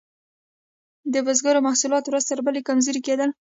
د بزګرانو محصولات ورځ تر بلې کمزوري کیدل.